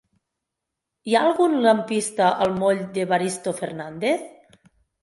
Hi ha algun lampista al moll d'Evaristo Fernández?